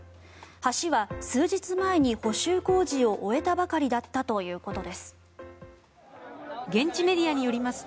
橋は数日前に補修工事を終えたばかりだったということです。